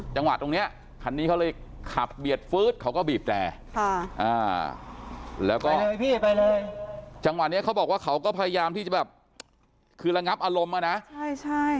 จังหวัดเนี้ยเขาบอกว่าเขาก็พยายามที่จะแบบคือระงับอารมณ์อ่ะนะใช่ใช่